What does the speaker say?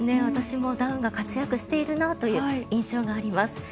私もダウンが活躍しているなという印象があります。